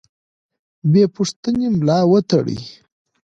بې پوښتنې ملا ورتړي.